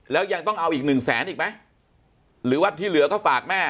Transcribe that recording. แล้วยังต้องเอาอีกหนึ่งแสนอีกไหมหรือว่าที่เหลือก็ฝากแม่